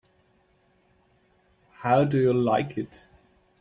How do you like it?